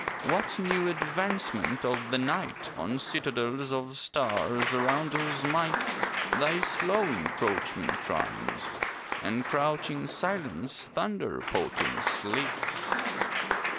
What new advancement of the night On citadels of stars around whose might Thy slow encroachment runs, And crouching silence, thunder potent, sleeps?